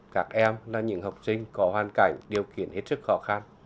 các em là những học sinh có hoàn cảnh điều kiện hết sức khó khăn